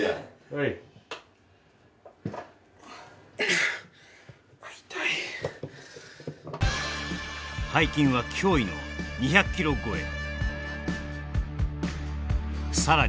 はいあっ痛い背筋は驚異の２００ｋｇ超え